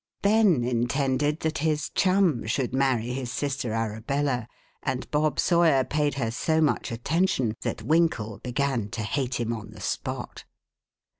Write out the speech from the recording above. Ben intended that his chum should marry his sister Arabella, and Bob Sawyer paid her so much attention that Winkle began to hate him on the spot.